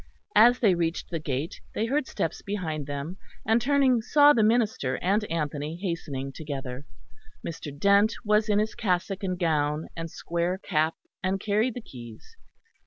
As they reached the gate they heard steps behind them; and turning saw the minister and Anthony hastening together. Mr. Dent was in his cassock and gown and square cap, and carried the keys.